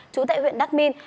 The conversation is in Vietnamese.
trú tại huyện đắk minh